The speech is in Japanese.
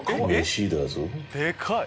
でかい！